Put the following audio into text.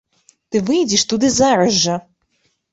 Ты выедзеш туды зараз жа.